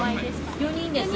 ４人です。